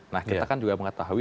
nah kita kan juga mengetahui